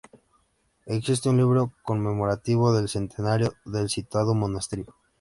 Existe un libro conmemorativo del centenario del citado monasterio.